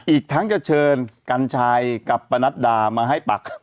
อีกทั้งจะเชิญกัญชัยกับปนัดดามาให้ปากคำ